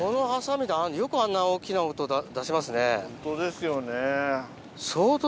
よくあんな大きな音出せますね。